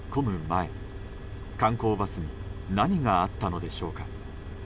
前、観光バスに何があったのでしょうか。